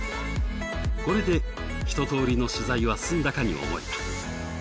これで一通りの取材は済んだかに思えた。